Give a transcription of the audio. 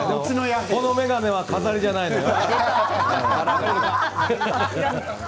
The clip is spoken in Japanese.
この眼鏡は飾りじゃないのよ。